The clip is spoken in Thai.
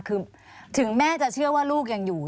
คือถึงแม่จะเชื่อว่าลูกยังอยู่